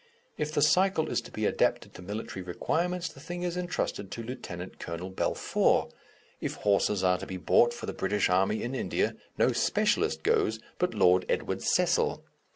If the cycle is to be adapted to military requirements, the thing is entrusted to Lieutenant Colonel Balfour. If horses are to be bought for the British Army in India, no specialist goes, but Lord Edward Cecil.